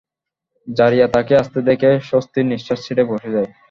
যারিয়া তাকে আসতে দেখে স্বস্তির নিঃশ্বাস ছেড়ে বসে যায়।